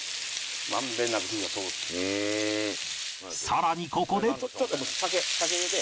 さらにここで